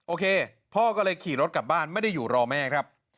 โอเคพ่อก็เลยขี่รถกลับบ้านไม่ได้อยู่รอแม่ครับ